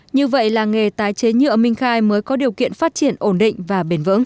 như vậy làng nghề tái chế nhựa minh khai mới có điều kiện phát triển ổn định và bền vững